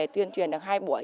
tuyên truyền được hai buổi